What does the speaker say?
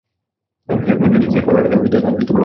যদি তিনি পাওনা টাকা শোধ করে দেন, তাহলেই মামলাটি শেষ হয়ে যাবে।